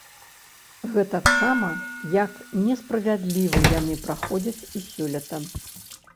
Гэтаксама, як несправядліва яны праходзяць і сёлета.